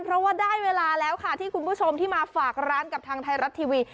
เพราะว่าได้เวลาแล้วค่ะที่คุณผู้ชมที่มาฝากร้านกับทางไทยรัฐทีวี